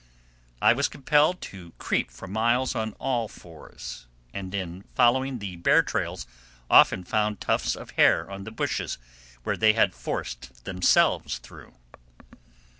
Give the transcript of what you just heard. I was compelled to creep for miles on all fours, and in following the bear trails often found tufts of hair on the bushes where they had forced themselves through.